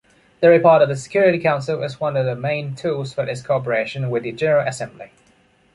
The report of the Security Council is one of the main tools for its cooperation with the General Assembly.